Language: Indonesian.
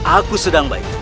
aku sedang baik